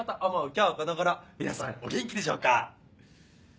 今日この頃皆さんお元気でしょうか？